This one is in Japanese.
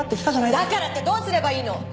だからってどうすればいいの？